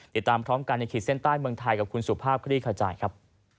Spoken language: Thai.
ติดตามพร้อมกันในขีดเส้นใต้เมืองไทยกับคุณสุภาพคลี่ขจายครับ